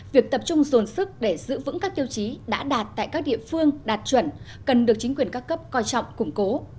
việc tập trung dồn sức để giữ vững các tiêu chí đã đạt tại các địa phương đạt chuẩn cần được chính quyền các cấp coi trọng củng cố